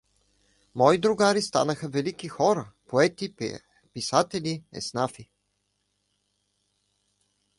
Мои другари станаха велики хора, поети, писатели, еснафи.